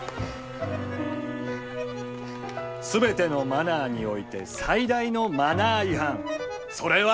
全てのマナーにおいて最大のマナー違反、それは。